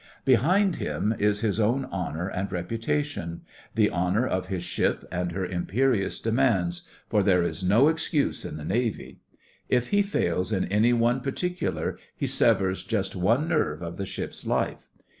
Behind him is his own honour and reputation; the honour of his ship and her imperious demands; for there is no excuse in the Navy. If he fails in any one particular he severs just one nerve of the ship's life.